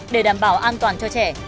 để đảm bảo an toàn cho trẻ